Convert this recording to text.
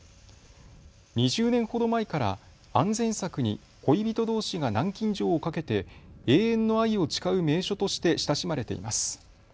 ２０年ほど前から安全柵に恋人どうしが南京錠をかけて永遠の愛を誓う名所として親しまれています。